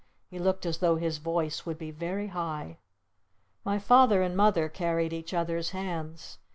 He looked as though his voice would be very high. My Father and Mother carried each other's hands.